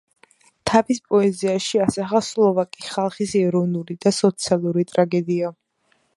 თავის პოეზიაში ასახა სლოვაკი ხალხის ეროვნული და სოციალური ტრაგედია.